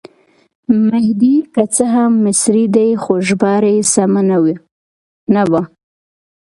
مهدي که څه هم مصری دی خو ژباړه یې سمه نه وه.